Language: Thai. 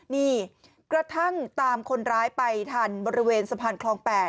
นี่กระทั่งตามคนร้ายไปทันบริเวณสะพานคลอง๘